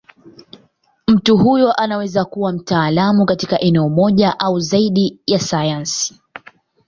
Mtu huyo anaweza kuwa mtaalamu katika eneo moja au zaidi ya sayansi.